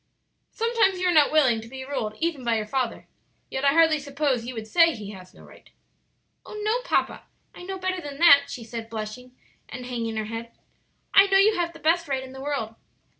"Sometimes you are not willing to be ruled even by your father; yet I hardly suppose you would say he has no right?" "Oh, no, papa; I know better than that," she said, blushing and hanging her head; "I know you have the best right in the world."